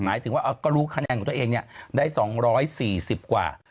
หมายถึงว่าก็รู้คะแนนของตัวเองได้๒๔๐กว่า